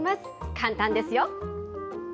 簡単ですよ。